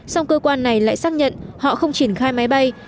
song cơ quan này lại xác nhận họ không triển khai máy bay